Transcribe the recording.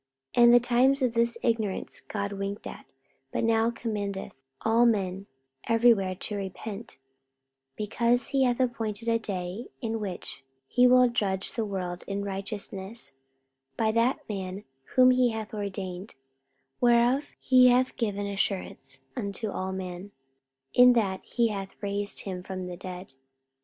44:017:030 And the times of this ignorance God winked at; but now commandeth all men every where to repent: 44:017:031 Because he hath appointed a day, in the which he will judge the world in righteousness by that man whom he hath ordained; whereof he hath given assurance unto all men, in that he hath raised him from the dead.